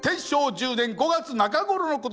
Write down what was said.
１０年５月中頃のことです。